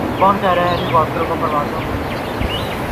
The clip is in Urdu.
کون کہہ رہاہے کہ ہیلی کاپٹروں کو پروازیں کرنی چائیں تھیں۔